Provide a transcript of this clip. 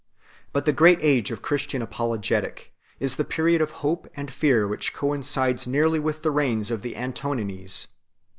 But the great age of Christian Apologetic is the period of hope and fear which coincides nearly with the reigns of the Antonines.